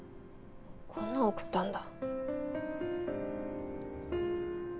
こんなん送ったんだ。